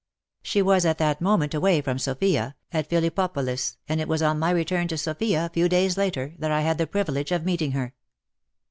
She was at that moment away from Sofia, at Phillippopolis, and it was on my return to Sofia, a few days later, that I had the privilege of meeting her.